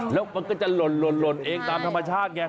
แล้วมันก็จะหล่นเองตามธรรมชาติไง